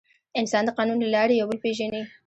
انسان د قانون له لارې یو بل پېژني.